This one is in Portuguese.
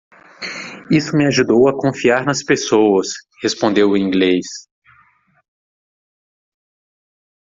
"Isso me ajudou a confiar nas pessoas?", respondeu o inglês.